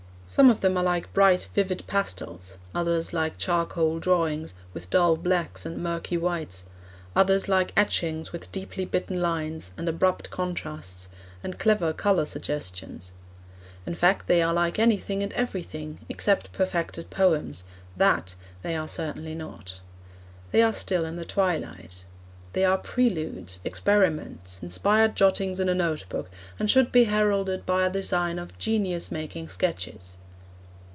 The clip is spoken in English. Some of them are like bright, vivid pastels; others like charcoal drawings, with dull blacks and murky whites; others like etchings with deeply bitten lines, and abrupt contrasts, and clever colour suggestions. In fact, they are like anything and everything, except perfected poems that they certainly are not. They are still in the twilight. They are preludes, experiments, inspired jottings in a note book, and should be heralded by a design of 'Genius Making Sketches.'